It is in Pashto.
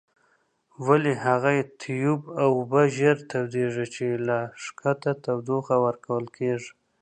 ولې هغه تیوب اوبه ژر تودیږي چې له ښکته تودوخه ورکول کیږي؟